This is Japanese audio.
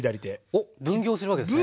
おっ！分業するわけですね。